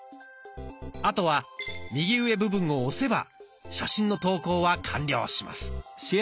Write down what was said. あとは右上部分を押せば写真の投稿は完了します。